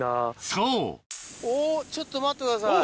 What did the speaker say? そうおっちょっと待ってください。